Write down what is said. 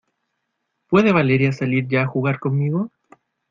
¿ puede Valeria salir ya a jugar conmigo?